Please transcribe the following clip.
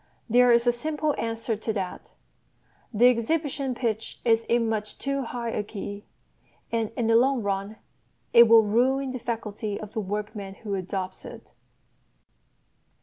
There is a simple answer to that: The exhibition pitch is in much too high a key, and in the long run it will ruin the faculty of the workman who adopts it.